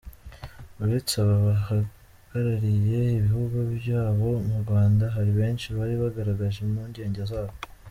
Uretse aba bahagarariye ibihugu byabo mu Rwanda hari benshi bari bagaragaje impungenge zabo: